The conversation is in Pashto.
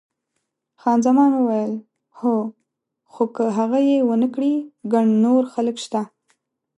خان زمان وویل، هو، خو که هغه یې ونه کړي ګڼ نور خلک شته.